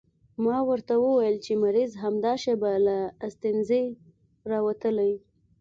ما ورته وويل چې مريض همدا شېبه له انستيزۍ راوتلى.